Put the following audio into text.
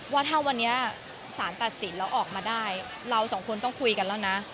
ว่าถ้าวันนี้สารตัดสินแล้วออกมาได้เราสองคนต้องคุยกันแล้วนะ